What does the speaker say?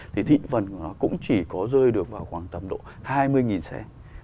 thì thị phần của nó cũng chỉ có rơi được vào khoảng tầm độ hai mươi xe